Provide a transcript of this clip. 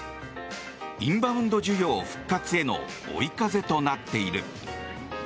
インバウンド需要復活への追い風となっている。